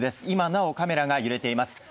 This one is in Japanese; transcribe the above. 今なおカメラが揺れています。